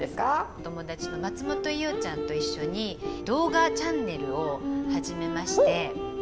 お友達の松本伊代ちゃんと一緒に動画チャンネルを始めまして。